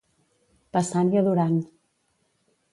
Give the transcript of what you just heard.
Passant i adorant.